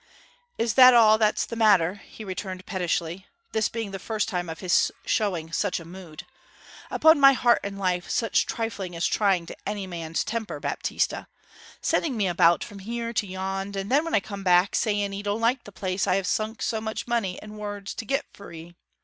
'Is that all that's the matter?' he returned pettishly (this being the first time of his showing such a mood). 'Upon my heart and life such trifling is trying to any man's temper, Baptista! Sending me about from here to yond, and then when I come back saying 'ee don't like the place that I have sunk so much money and words to get for 'ee.